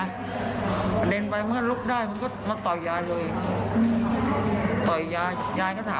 ชกเต็มที่มันแบบชกยายนะ